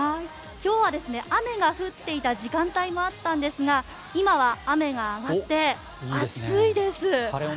今日は雨が降っていた時間帯もあったんですが今は雨が上がって暑いです。